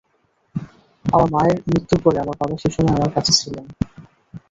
আমার মায়ের মৃত্যুর পরে আমার আব্বা সেই সময়ে আমাদের কাছে ছিলেন।